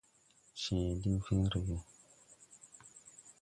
Cẽẽ diŋ fen rege.